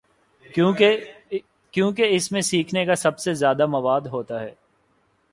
کیونکہ اس میں سیکھنے کا سب سے زیادہ مواد ہو تا ہے۔